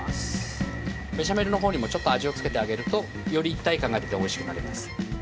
ベシャメルの方にもちょっと味を付けてあげるとより一体感が出て美味しくなります。